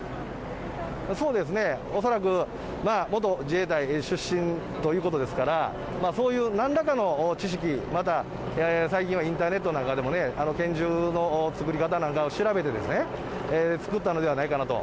そうですね、恐らく元自衛隊出身ということですから、そういうなんらかの知識、また最近はインターネットなんかでもね、拳銃の作り方なんかを調べて、作ったのではないかなと。